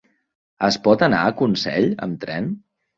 Es pot anar a Consell amb tren?